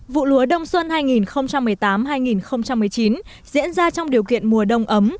vụ lúa đông xuân hai nghìn một mươi tám hai nghìn một mươi chín diễn ra trong điều kiện mùa đông ấm